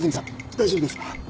大丈夫ですか？